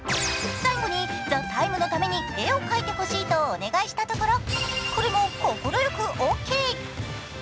最後に「ＴＨＥＴＩＭＥ，」のために絵を描いてほしいとお願いしたところ、これも快くオーケー。